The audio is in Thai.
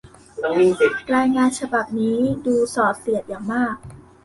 รายงานฉบับนี้ดูส่อเสียดอย่างมาก